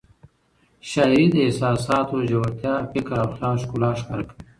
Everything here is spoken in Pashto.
شاعري د احساساتو ژورتیا، فکر او خیال ښکلا ښکاره کوي.